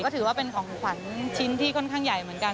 ถือว่าเป็นของขวัญชิ้นที่ค่อนข้างใหญ่เหมือนกัน